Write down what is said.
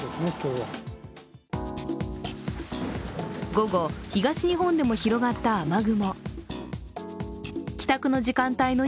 午後、東日本でも広がった雨雲。